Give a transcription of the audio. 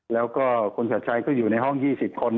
แล้วก็คุณชัดชัยก็อยู่ในห้อง๒๐คน